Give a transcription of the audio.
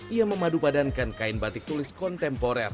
ia memadupadankan kain batik tulis kontemporer